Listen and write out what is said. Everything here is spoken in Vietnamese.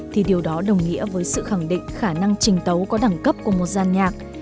thì điều đó đồng nghĩa với sự khẳng định khả năng trình tấu có đẳng cấp của một giàn nhạc